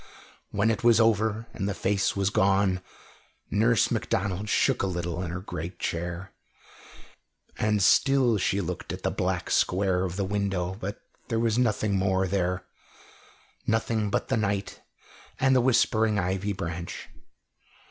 When it was over and the face was gone, Nurse Macdonald shook a little in her great chair, and still she looked at the black square of the window, but there was nothing more there, nothing but the night, and the whispering ivy branch.